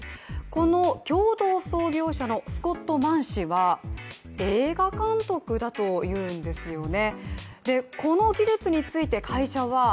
この共同創業者のスコット・マン氏は映画監督だというんですよね。